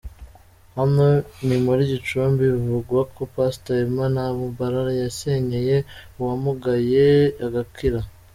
Hano ni muri Gicumbi bivugwa ko Pastor Emma Ntambara yasengeye uwamugaye agakira.